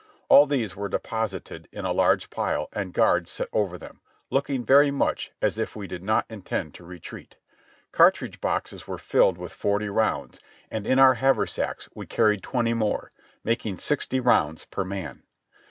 All these were deposited in a large pile, and guards set over them, looking very much as if we did not intend to retreat. Cartridge boxes were filled with forty rounds, and in our haversacks we carried twenty more, making sixty rounds per man.